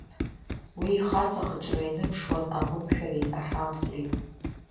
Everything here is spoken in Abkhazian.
Уи ихаҵа хаҿра ианыԥшуан агәымшәареи ахьамҵреи.